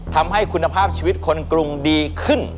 ทำให้คุณภาพชีวิตคนกรุงดีขึ้น